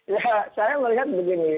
ya saya melihat begini